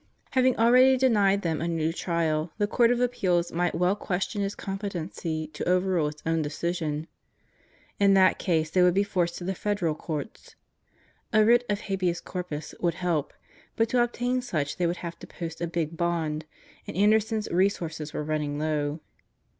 Having already denied them a new trial, the Court of Appeals might well question its competency to overrule its own decision. In that case they would be forced to the federal courts. A writ of habeas corpus would help; but to obtain such they would have to post a big bond and Anderson's resources were running low.